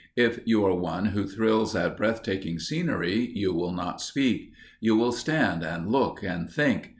If you are one who thrills at breath taking scenery you will not speak. You will stand and look and think.